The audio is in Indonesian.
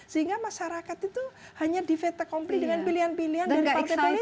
sehingga masyarakat itu hanya difetakompli dengan pilihan pilihan dari partai politik